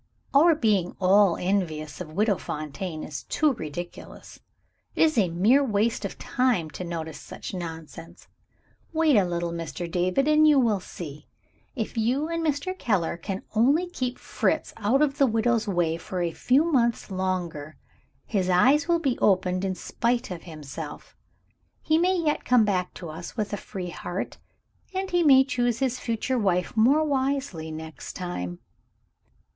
Our being all envious of Widow Fontaine is too ridiculous. It is a mere waste of time to notice such nonsense. Wait a little, Mr. David, and you will see. If you and Mr. Keller can only keep Fritz out of the widow's way for a few months longer, his eyes will be opened in spite of himself. He may yet come back to us with a free heart, and he may choose his future wife more wisely next time."